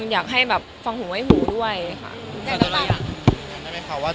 อยากให้แบบฟังหูไว้หูด้วยค่ะว่า